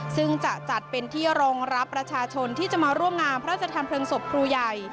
ซึ่งจะจัดเป็นที่รองรับประชาชนที่จะมาร่วมงานพระราชทานเพลิงศพครูใหญ่